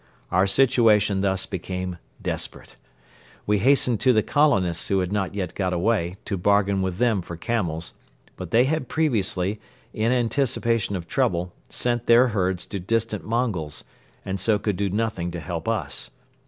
Our situation thus became desperate. We hastened to the colonists who had not yet got away to bargain with them for camels, but they had previously, in anticipation of trouble, sent their herds to distant Mongols and so could do nothing to help us.